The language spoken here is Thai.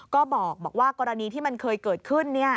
ก็บอกว่ากรณีที่มันเคยเกิดขึ้น